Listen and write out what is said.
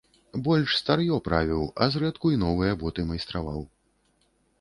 Больш стар'ё правіў, а зрэдку і новыя боты майстраваў.